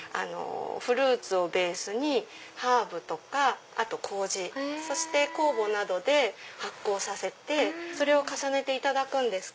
フルーツをベースにハーブとかあとこうじそして酵母などで発酵させてそれを重ねていただくんです。